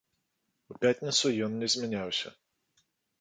У пятніцу ён не змяняўся.